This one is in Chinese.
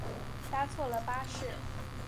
搭错了巴士